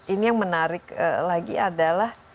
ini yang menarik lagi adalah